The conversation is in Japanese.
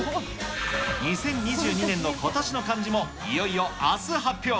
２０２２年の今年の漢字も、いよいよあす発表。